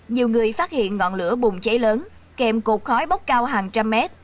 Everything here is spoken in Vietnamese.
nhiều người phát hiện ngọn lửa bùng cháy lớn kèm cột khói bốc cao hàng trăm mét